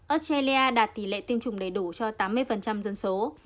australia đạt tỷ lệ tiêm chủng đầy đủ cho tám mươi dân số